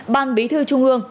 ban bí thư trung hương